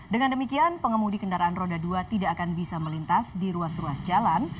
dengan demikian pengemudi kendaraan roda dua tidak akan bisa melintas di ruas ruas jalan